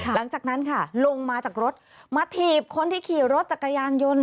หลังจากนั้นค่ะลงมาจากรถมาถีบคนที่ขี่รถจักรยานยนต์